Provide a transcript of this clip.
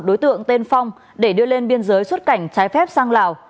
đối tượng tên phong để đưa lên biên giới xuất cảnh trái phép sang lào